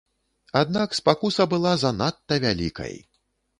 Аднак спакуса была занадта вялікай.